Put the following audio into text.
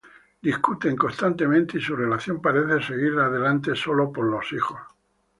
Discuten constantemente y su relación parece seguir adelante sólo por sus hijos.